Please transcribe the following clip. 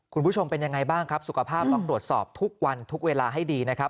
คุณผู้ชมเป็นยังไงบ้างครับสุขภาพลองตรวจสอบทุกวันทุกเวลาให้ดีนะครับ